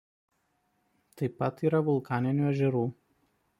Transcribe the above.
Taip pat yra vulkaninių ežerų.